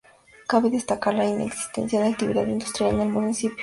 Cabe destacar la inexistencia de actividad industrial en el municipio.